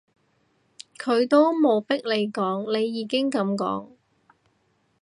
佢都冇逼你講，你已經噉講